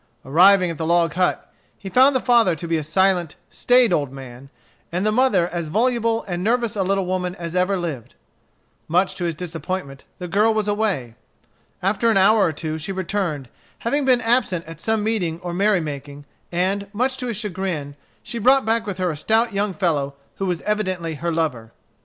Arriving at the log hut, he found the father to be a silent, staid old man, and the mother as voluble and nervous a little woman as ever lived. Much to his disappointment, the girl was away. After an hour or two she returned, having been absent at some meeting or merry making, and, much to his chagrin, she brought back with her a stout young fellow who was evidently her lover.